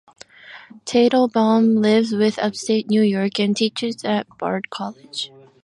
Teitelbaum lives in upstate New York and teaches at Bard College.